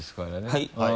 はい。